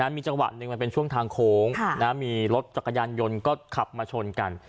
มีจังหวะหนึ่งมันเป็นช่วงทางโค้งมีรถจักรยานยนต์ก็ขับมาชนกัน